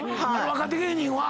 若手芸人は。